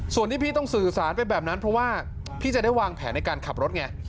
ส่วนที่พี่ต้องสื่อสารไปแบบนั้นเพราะว่าพี่จะได้วางแผนในการขับรถไง